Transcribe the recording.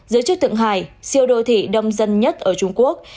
giới chức thượng hải siêu đô thị đông dân nhất ở trung quốc